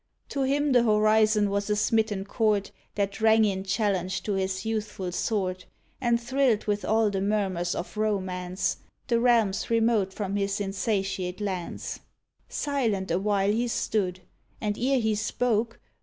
To him the horizon was a smitten chord That rang in challenge to his youthful sword, And thrilled with all the murmurs of romance The realms remote from his insatiate lance. Silent awhile he stood, and ere he spoke.